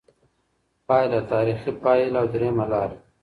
پایله: «تاریخي فاعل» او درېیمه لار